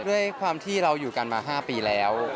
ด้วยความที่เราอยู่กันมา๕ปีแล้ว